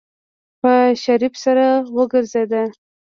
په شريف سر وګرځېده.